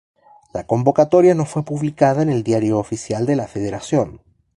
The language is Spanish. La convocatoria no fue publicada en el Diario Oficial de la Federación.